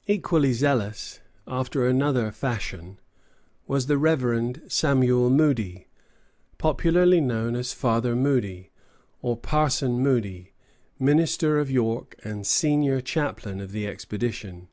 ] Equally zealous, after another fashion, was the Reverend Samuel Moody, popularly known as Father Moody, or Parson Moody, minister of York and senior chaplain of the expedition.